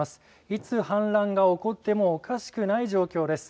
いつ氾濫が起こってもおかしくない状況です。